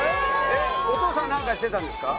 お父さんなんかしてたんですか？